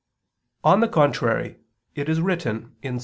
On the contrary, It is written (Ps.